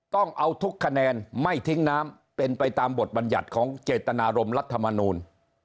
ต้องเอาทุกคะแนนไม่ทิ้งน้ำเป็นไปตามบทบัญญัติของเจตนารมรัฐมนูล